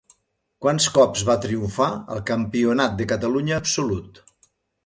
Quants cops va triomfar al Campionat de Catalunya Absolut?